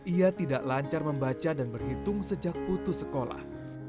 ia tidak lancar membaca dan berhitung sejak putus sekolah